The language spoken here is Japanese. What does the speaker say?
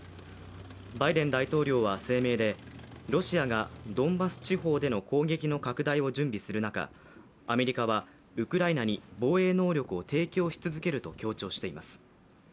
バイデン大統領は声明でロシアがドンバス地方での攻撃の拡大を準備する中、アメリカはウクライナに防衛能力を提供し続けると強調しています。